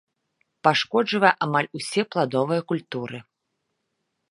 Пашкоджвае амаль усе пладовыя культуры.